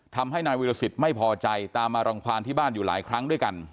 ทำให้นายวิรสิตไม่พอใจตามมารังความที่บ้านอยู่หลายครั้งด้วยกัน